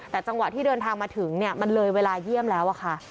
แต่จังหวะที่เดินทางมาถึงเนี่ยมันเลยเวลาเยี่ยมแล้วอะค่ะ